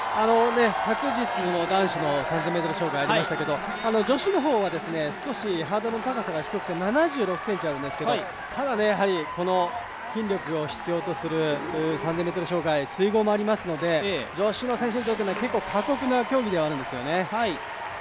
昨日の男子の３０００ｍ障害がありましたけど、女子の方は少しハードルの高さが低くて７６ｃｍあるんですけど、筋力を必要とする３０００ｍ障害水濠もありますので女子の選手にとっては過酷な競技であるんですよね。